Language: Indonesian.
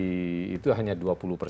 berapa banyak pak